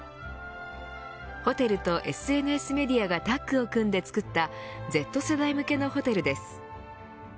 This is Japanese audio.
ホテルとＳＮＳメディアがタッグを組んでつくったＺ世代向けのホテルです。